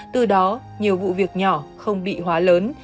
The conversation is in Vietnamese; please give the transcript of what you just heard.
từ đó nhiều vụ việc nhỏ không bị hóa lớn